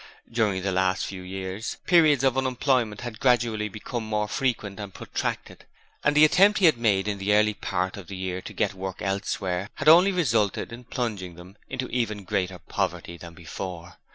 During the last few years periods of unemployment had gradually become more frequent and protracted, and the attempt he had made in the early part of the year to get work elsewhere had only resulted in plunging them into even greater poverty than before.